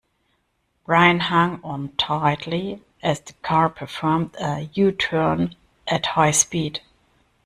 Brian hung on tightly as the car performed a U-turn at high speed.